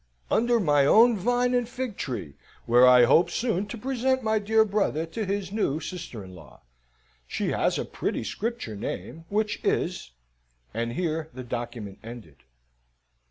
"... Under my own vine and fig tree; where I hope soon to present my dear brother to his new sister in law. She has a pretty Scripture name, which is..." and here the document ended.